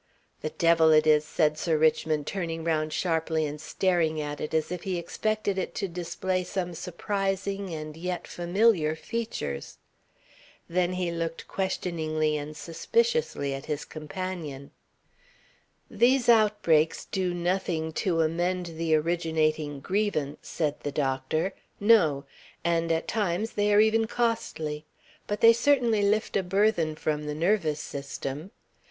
"The devil it is!" said Sir Richmond, turning round sharply and staring at it as if he expected it to display some surprising and yet familiar features. Then he looked questioningly and suspiciously at his companion. "These outbreaks do nothing to amend the originating grievance," said the doctor. "No. And at times they are even costly. But they certainly lift a burthen from the nervous system....